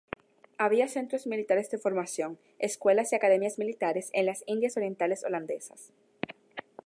Había centros militares de formación, escuelas y academias militares en las Indias Orientales Holandesas.